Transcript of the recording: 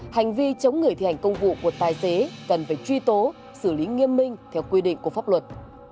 hành vi chống người thi hành công vụ của tài xế cần phải truy tố xử lý nghiêm minh theo quy định của pháp luật